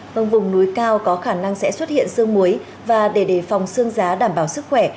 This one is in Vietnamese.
vâng vùng núi cao có khả năng sẽ xuất hiện sương muối và để đề phòng xương giá đảm bảo sức khỏe